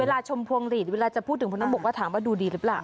เวลาชมพวงหรีดเวลาจะพูดถึงคุณต้องบอกว่าดูดีหรือเปล่า